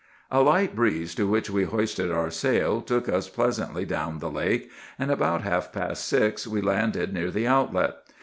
"A light breeze, to which we hoisted our sail, took us pleasantly down the lake, and about half past six we landed near the outlet.